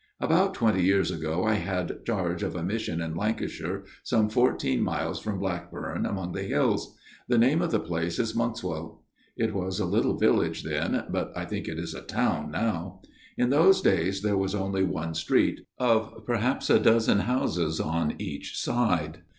" About twenty years ago I had charge of a mission in Lancashire, some fourteen miles from Blackburn, among the hills. The name of the place is Monkswell ; it was a little village then, but I think it is a town now. In those days there was only one street, of perhaps a dozen houses on each side.